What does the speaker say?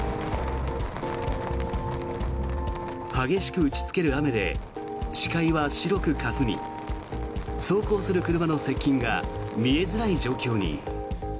激しく打ちつける雨で視界は白くかすみ走行する車の接近が見えづらい状況に。